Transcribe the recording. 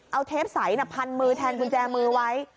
เอาเทปใสพันมือแทนกุญแจมือไว้